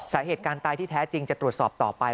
สาเหตุการตายที่แท้จริงจะตรวจสอบต่อไป